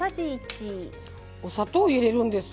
お砂糖入れるんですね。